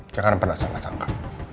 jangan pernah salah sangka